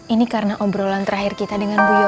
ini karna obrolan terakhir kita dengan bu yoyo